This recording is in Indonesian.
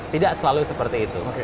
tidak selalu seperti itu